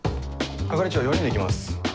係長４人で行きます。